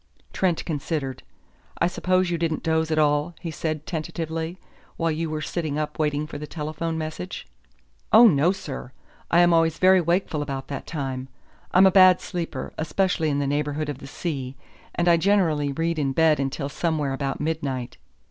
Trent considered. "I suppose you didn't doze at all," he said tentatively, "while you were sitting up waiting for the telephone message." "Oh, no, sir! I am always very wakeful about that time. I'm a bad sleeper, especially in the neighborhood of the sea, and I generally read in bed until somewhere about midnight."